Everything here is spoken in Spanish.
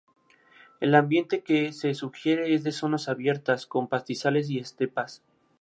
El ambiente que se sugiere es de zonas abiertas con pastizales y estepas.